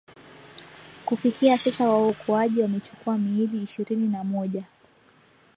kufikia sasa waokoaji wamechukua miili ishirini na moja